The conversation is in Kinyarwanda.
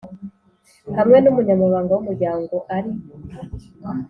Hamwe n umunyamabanga w umuryango ari